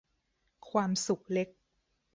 ความสุขเล็ก